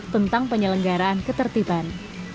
tentang penyelenggaraan ketertiban